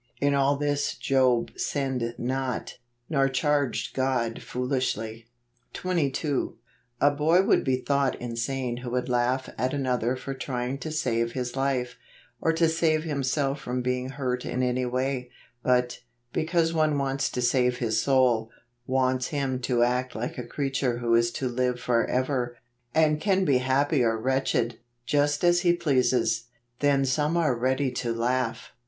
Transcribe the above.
" In all this Job sinned not, nor charged God foolishly." JULY. 81 22. A boy would be thought insane who would laugh at another for trying to save his life, or to save himself from being hurt in any way \ but, because one wants to save his soul, wants him to act like a creature who is to live forever, and can be happy or wretched, just as he pleases, then some are ready to laugh.